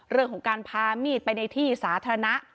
เรื่องของการพามีดไปในที่สาธารณะ